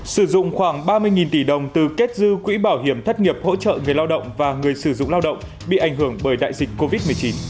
sử dụng khoảng ba mươi tỷ đồng từ kết dư quỹ bảo hiểm thất nghiệp hỗ trợ người lao động và người sử dụng lao động bị ảnh hưởng bởi đại dịch covid một mươi chín